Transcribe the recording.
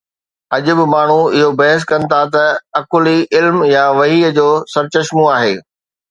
اڄ به ماڻهو اهو بحث ڪن ٿا ته عقل ئي علم يا وحي جو سرچشمو آهي.